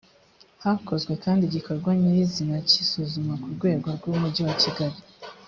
hakozwe kandi igikorwa nyir izina cy isuzuma ku rwego rw umujyi wakigali